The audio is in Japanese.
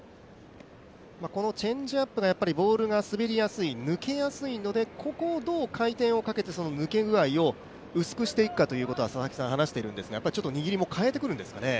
このチェンジアップがボールが滑りやすい抜けやすいのでここをどう回転をかけて抜け具合を薄くしていくかということは話しているんですが、やっぱりちょっと握りも変えてくるんですかね。